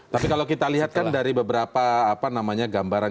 tapi kalau kita lihat kan dari beberapa gambaran